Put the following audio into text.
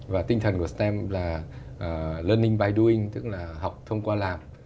và tinh thần của stem là learning bay doing tức là học thông qua làm